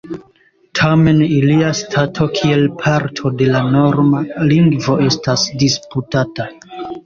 Tamen ilia stato kiel parto de la norma lingvo estas disputata.